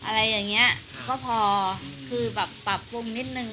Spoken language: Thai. อะไรอย่างเงี้ยก็พอคือแบบปรับปรุงนิดนึง